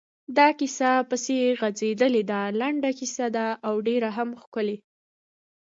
دا کیسه پسې غځېدلې ده، لنډه کیسه ده او ډېره هم ښکلې.